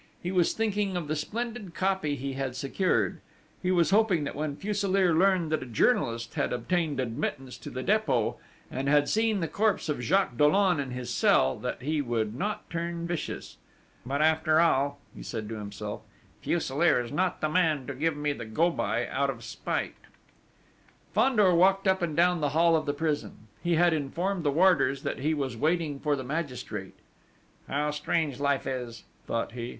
He was thinking of the splendid copy he had secured: he was hoping that when Fuselier learned that a journalist had obtained admittance to the Dépôt, and had seen the corpse of Jacques Dollon in his cell, that he would not turn vicious: "But after all," said he to himself, "Fuselier is not the man to give me the go by out of spite." Fandor walked up and down the hall of the prison. He had informed the warders that he was waiting for the magistrate. "How strange life is!" thought he.